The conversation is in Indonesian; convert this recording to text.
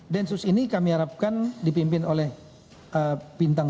densus ini kami harapkan dipimpin oleh pintang dua